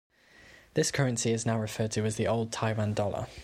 This currency is now referred to as the old Taiwan dollar.